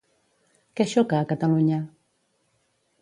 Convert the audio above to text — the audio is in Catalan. Què xoca a Catalunya?